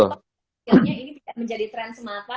kayaknya ini tidak menjadi tren semata